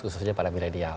khususnya para milenial